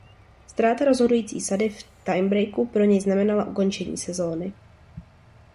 Ztráta rozhodující sady v tiebreaku pro něj znamenala ukončení sezóny.